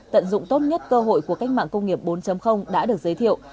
tận dụng tốt nhất cơ hội của cách mạng công nghiệp bốn đã được giới thiệu